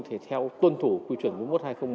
theo tuân thủ quy truẩn bốn một hai nghìn một mươi chín